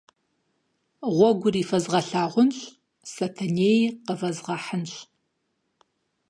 Гъуэгури фэзгъэлъагъунщ, Сэтэнеи къывэзгъэхьынщ.